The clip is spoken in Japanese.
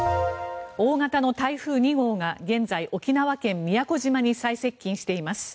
大型の台風２号が現在沖縄県・宮古島に最接近しています。